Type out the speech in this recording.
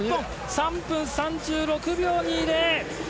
３分３６秒２０。